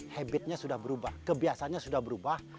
habitnya sudah berubah kebiasaannya sudah berubah